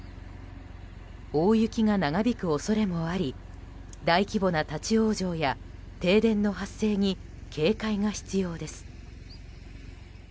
大雪が長引く恐れもあり大規模な立ち往生や停電の発生に警戒が必要です。